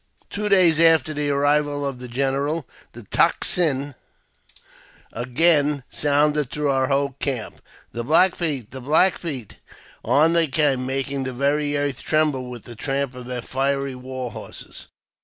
TWO days after the arrival of the general, the tocsin again sounded through our whole camp, '" The Black Feet! the Black Feet !" On they came, making the very earth tremble with the tramp of their j&ery war horses.